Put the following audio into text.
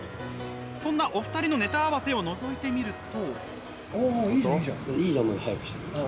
そんなお二人のネタ合わせをのぞいてみると。